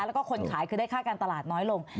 แล้วก็คนขายคือได้ค่าการตลาดน้อยลง